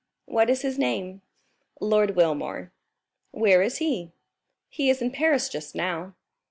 "What is his name?" "Lord Wilmore." "Where is he?" "He is in Paris just now."